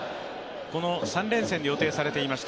この３連戦に予定されていました